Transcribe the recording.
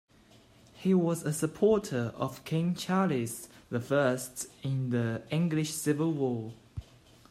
He was a supporter of King Charles the First in the English Civil War.